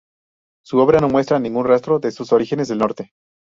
Su obra no muestra ningún rastro de sus orígenes del norte.